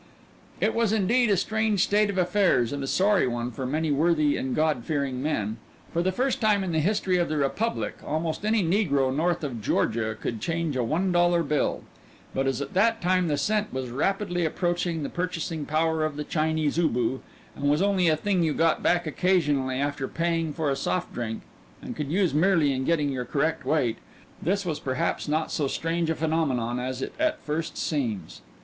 It was indeed a strange state of affairs and a sorry one for many worthy and God fearing men. For the first time in the history of the Republic almost any negro north of Georgia could change a one dollar bill. But as at that time the cent was rapidly approaching the purchasing power of the Chinese ubu and was only a thing you got back occasionally after paying for a soft drink, and could use merely in getting your correct weight, this was perhaps not so strange a phenomenon as it at first seems.